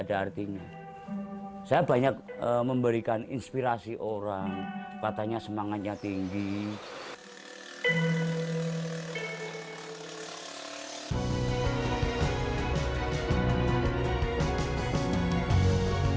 ada artinya saya banyak memberikan inspirasi orang katanya semangatnya tinggi